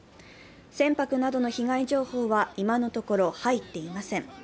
船舶などの被害情報は今のところ入っていません。